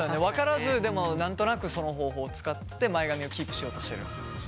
分からずでも何となくその方法を使って前髪をキープしようとしてる。